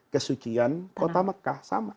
kesucian kota mekah